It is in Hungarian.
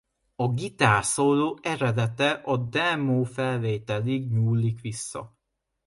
A gitárszóló eredete a demófelvételig nyúlik vissza.